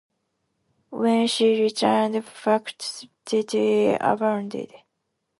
When she returned, fecundity abounded.